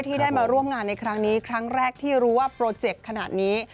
ที่ได้มาร่วมงานในครั้งนี้ครั้งแรกที่รู้ว่าโปรเจกต์ขนาดนี้